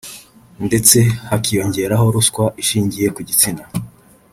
ndetse hakiyongeraho ruswa ishingiye ku gitsina